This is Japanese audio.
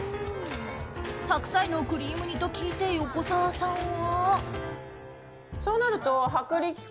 白菜のクリーム煮と聞いて横澤さんは。